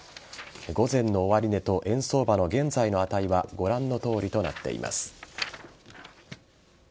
午前の終値と円相場の現在の値はご覧のとおりとなっています。